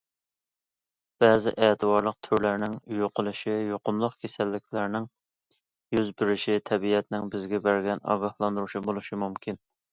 بەزى ئەتىۋارلىق تۈرلەرنىڭ يوقىلىشى، يۇقۇملۇق كېسەللىكلەرنىڭ يۈز بېرىشى تەبىئەتنىڭ بىزگە بەرگەن ئاگاھلاندۇرۇشى بولۇشى مۇمكىن.